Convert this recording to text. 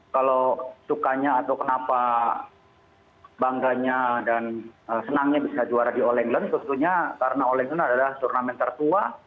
kalau sukanya atau kenapa bangganya dan senangnya bisa juara di all england tentunya karena all england adalah turnamen tertua